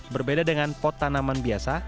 berbeda dengan pot tanaman biasa